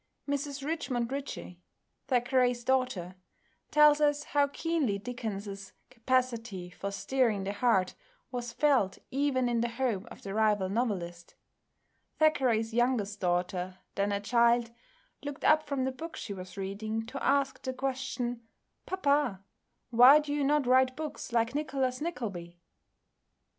Mrs Richmond Ritchie, Thackeray's daughter, tells us how keenly Dickens's capacity for stirring the heart was felt even in the home of the rival novelist. Thackeray's youngest daughter, then a child, looked up from the book she was reading to ask the question, "Papa, why do you not write books like 'Nicholas Nickleby'"?